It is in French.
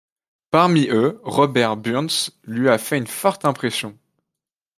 Parmi eux, Robert Burns lui fait une forte impression.